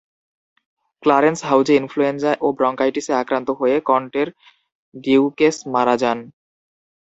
Clarence হাউজে influenza ও ব্রংকাইটিসে আক্রান্ত হয়ে কনটের ডিউকেস মারা যান।